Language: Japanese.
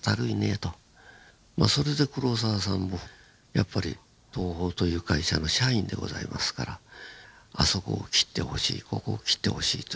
それで黒澤さんもやっぱり東宝という会社の社員でございますからあそこを切ってほしいここを切ってほしいというのでね